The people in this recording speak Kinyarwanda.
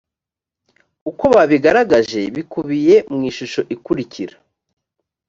uko babigaragaje bikubiye mu ishusho ikurikira